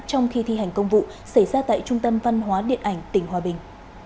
trong khi thi hành công vụ xảy ra tại trung tâm văn hóa điện ảnh tỉnh hòa bình